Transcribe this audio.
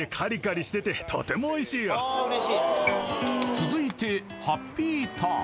続いてハッピーターン